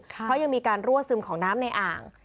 เพราะยังมีการรั่วซึมของน้ำในอ่าง